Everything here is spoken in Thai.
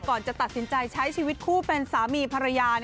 ก่อนจะตัดสินใจใช้ชีวิตคู่เป็นสามีภรรยา